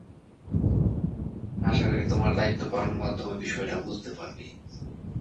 আশা করি তোমার দায়িত্ব পালনের মাধ্যমে বিষয়টা বুঝতে পারবে।